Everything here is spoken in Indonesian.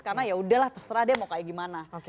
karena yaudahlah terserah deh mau kayak gimana